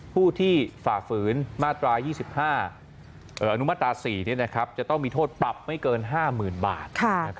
ผู้ที่ฝ่าฝืนมาตรา๒๕อนุมาตรา๔จะต้องมีโทษปรับไม่เกิน๕๐๐๐บาท